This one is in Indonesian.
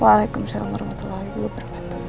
waalaikumsalam warahmatullahi wabarakatuh